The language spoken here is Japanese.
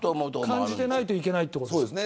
感じていないといけないということ。